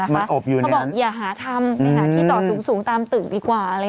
มันอบอยู่ในนั้นเขาบอกอย่าหาทำอย่าหาที่เจาะสูงตามตึกดีกว่าเลย